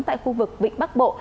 tại khu vực vịnh bắc bộ